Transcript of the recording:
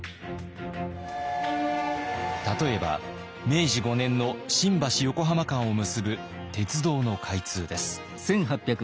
例えば明治５年の新橋・横浜間を結ぶ鉄道の開通です。